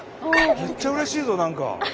めっちゃうれしいぞ何か。